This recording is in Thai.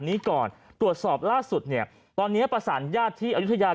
นี้ก่อนตรวจสอบล่าสุดเนี่ยตอนนี้ประสานญาติที่อายุทยา